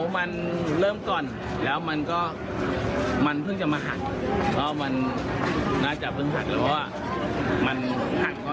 อ๋อมันเริ่มก่อนแล้วมันก็มันเพิ่งจะมาหัก